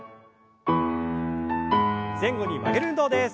前後に曲げる運動です。